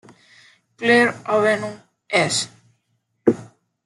Clair Avenue East.